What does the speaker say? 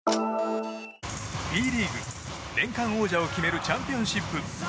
Ｂリーグ年間王者を決めるチャンピオンシップ。